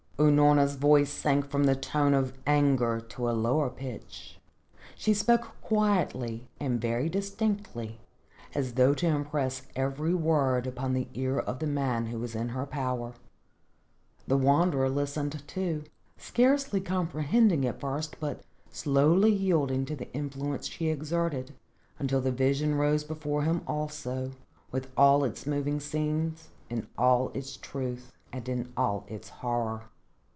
Unorna's voice sank from the tone of anger to a lower pitch. She spoke quietly and very distinctly as though to impress every word upon the ear of the man who was in her power. The Wanderer listened, too, scarcely comprehending at first, but slowly yielding to the influence she exerted until the vision rose before him also with all its moving scenes, in all its truth and in all its horror.